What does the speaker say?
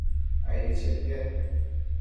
aidi chetiad